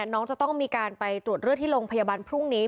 น้องจะต้องมีการไปตรวจเลือดที่โรงพยาบาลพรุ่งนี้